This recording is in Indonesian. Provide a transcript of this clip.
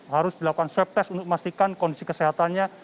harus dilakukan swab test untuk memastikan kondisi kesehatannya